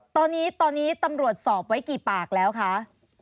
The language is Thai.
ตอนนี้ตอนนี้ตำรวจสอบไว้กี่ปากแล้วคะ